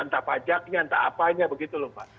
entah pajaknya entah apanya begitu lho mbak